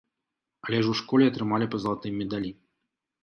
Але ж у школе атрымалі па залатым медалі.